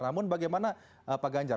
namun bagaimana pak ganjar